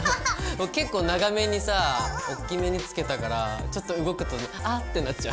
もう結構長めにさおっきめにつけたからちょっと動くとあってなっちゃう。